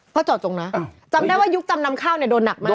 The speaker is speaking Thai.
เพราะเจาะจงนะจำได้ว่ายุคจำนำข้าวเนี่ยโดนหนักมาก